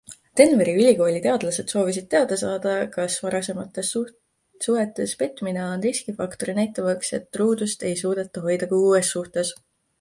Denveri Ülikooli teadlased soovisid teada saada, kas varasematest suhetes petmine on riskifaktor näitamaks, et truudust ei suudeta hoida ka uues suhtes.